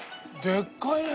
でっかいね！